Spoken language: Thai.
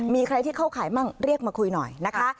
มีใครที่เข้าข่ายมั่งเรียกมาคุยหน่อยนะคะ